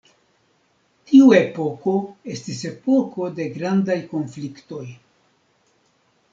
Tiu epoko estis epoko de grandaj konfliktoj.